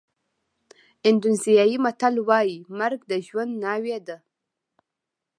اندونېزیایي متل وایي مرګ د ژوند ناوې ده.